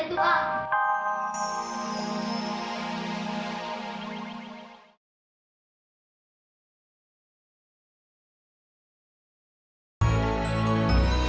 kamu salahin apa sendirian tua